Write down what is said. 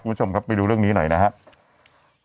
คุณผู้ชมครับไปดูเรื่องนี้หน่อยนะครับ